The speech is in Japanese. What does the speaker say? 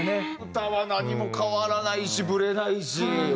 歌は何も変わらないしブレないし。